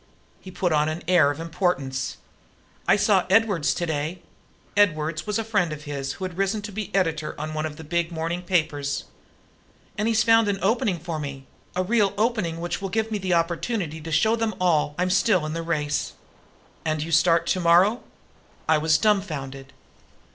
He put on an air of importance. "I saw Edwards today" Edwards was a friend of his who had risen to be an editor on one of the big morning papers "and he's found an opening for me a real opening which will give me an opportunity to show them all I'm still in the race." "And you start in tomorrow?" I was dumbfounded.